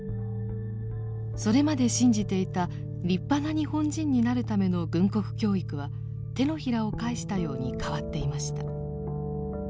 それまで信じていた立派な日本人になるための軍国教育は手のひらを返したように変わっていました。